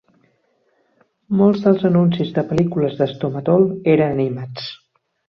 Molts dels anuncis de pel·lícules de Stomatol eren animats.